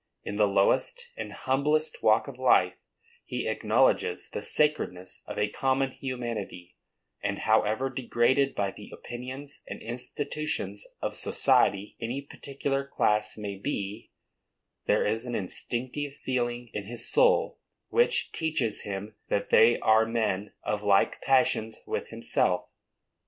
In the lowest and humblest walk of life, he acknowledges the sacredness of a common humanity; and however degraded by the opinions and institutions of society any particular class may be, there is an instinctive feeling in his soul which teaches him that they are men of like passions with himself.